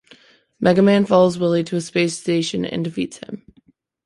Mega Man follows Wily to a space station and defeats him.